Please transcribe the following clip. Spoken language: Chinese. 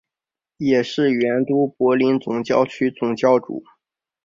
也是原都柏林总教区总主教。